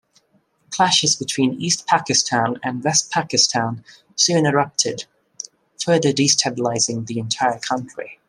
Clashes between East Pakistan and West Pakistan soon erupted, further destabilising the entire country.